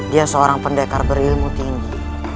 dia seorang pendekar berilmu tinggi